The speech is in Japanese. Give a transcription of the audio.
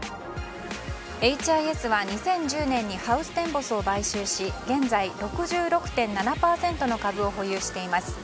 エイチ・アイ・エスは２０１０年にハウステンボスを買収し現在、６６．７％の株を保有しています。